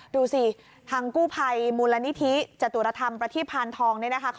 ดูสิทางกู้ภัยมูลนิธิจตุรธรรมประทีพานทองเนี่ยนะคะ